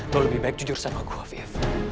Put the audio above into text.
lo lebih baik jujur sama gue viv